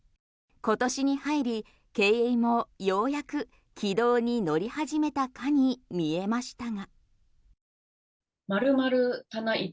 今年に入り経営もようやく軌道に乗り始めたかに見えましたが。